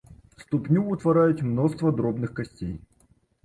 Ступню ўтвараюць мноства дробных касцей.